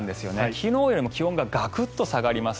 昨日よりも気温がガクッと下がります。